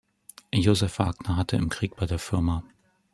Josef Wagner hatte im Krieg bei der Fa.